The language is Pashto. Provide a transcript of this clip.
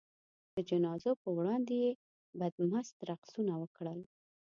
د جنازو په وړاندې یې بدمست رقصونه وکړل.